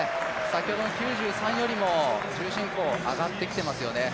先ほどの９３よりも重心、上がってきてますね。